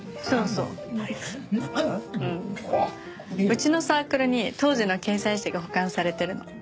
うちのサークルに当時の掲載誌が保管されてるの。